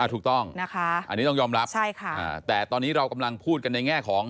อ่ะถูกต้องอันนี้ต้องยอมรับแต่ตอนนี้เรากำลังพูดกันในแง่ของ